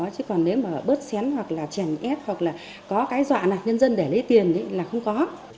chứ còn nếu mà bớt xén hoặc là chèn ép hoặc là có cái dọa nạc nhân dân để lấy tiền là không có